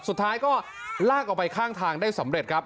สุดท้ายก็ลากออกไปข้างทางได้สำเร็จครับ